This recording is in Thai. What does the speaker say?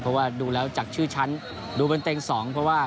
เพราะว่าดูแล้วจากชื่อฉันดูเป็นเต็งสองเพราะว่า